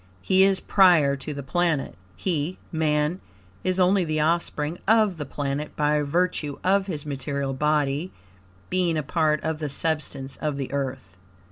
HE IS PRIOR TO THE PLANET. He (Man) is only the offspring of the planet by virtue of his material body being a part of the substance of the Earth.